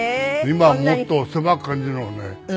今はもっと狭く感じるのがね。